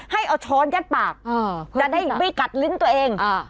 ให้เอาช้อนยัดปากจะได้ไม่กัดลิ้นตัวเอง